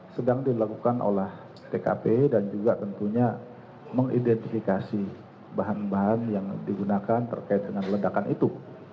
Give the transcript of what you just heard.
sedang dilakukan olah tkp dan juga tentunya mengidentifikasi bahan bahan yang digunakan terkait dengan ledakan itu